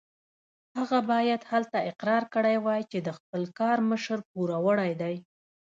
هغه باید هلته اقرار کړی وای چې د خپل کار مشر پوروړی دی.